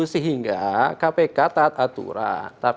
sehingga kpk taat aturan